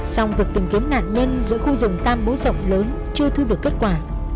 song việc tìm kiếm nạn nhân giữa khu rừng tam bố rộng lớn chưa thu được kết quả